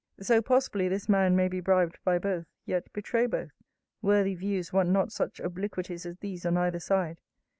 * So, possibly, this man may be bribed by both, yet betray both. Worthy views want not such obliquities as these on either side.